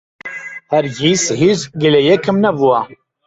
هەرگیز هیچ گلەیییەکم نەبووە.